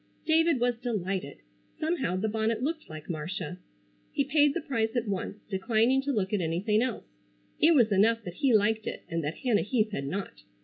David was delighted. Somehow the bonnet looked like Marcia. He paid the price at once, declining to look at anything else. It was enough that he liked it and that Hannah Heath had not.